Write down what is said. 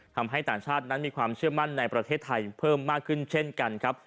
ต่างชาตินั้นมีความเชื่อมั่นในประเทศไทยเพิ่มมากขึ้นเช่นกันครับ